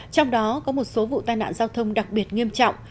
trong đó có một số vụ tai nạn giao thông đặc biệt nghiêm trọng